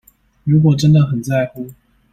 如果真的很在乎